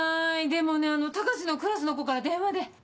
でもね高志のクラスの子から電話で。